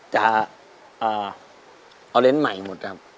จะเอาเลนส์ใหม่หมดครับ